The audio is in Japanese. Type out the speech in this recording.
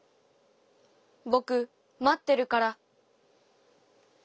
ぼく、まってるから』」。